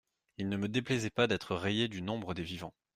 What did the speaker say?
Il ne me déplaisait pas d’être rayé du nombre des vivants.